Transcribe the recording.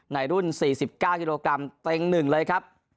ในรุ่น๔๙ยิโลกรัมเต็มหนึ่งเลยครับ